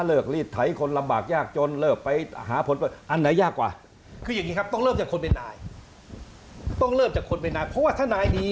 เลิกลีดไถ้คนลำบากยากจนเลิกไปหาผลประโยชน์